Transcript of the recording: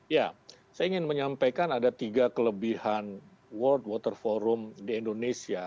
ya saya ingin menyampaikan ada tiga kelebihan world water forum di indonesia